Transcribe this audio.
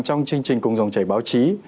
trong chương trình cùng dòng chảy báo chí